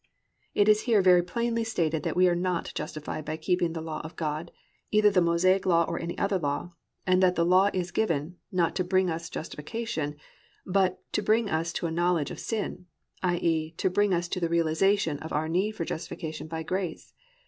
"+ It is here very plainly stated that we are not justified by keeping the law of God, either the Mosaic law or any other law, and that the law is given, not to bring us justification, but to bring us a knowledge of sin, i.e., to bring us to the realisation of our need of justification by grace.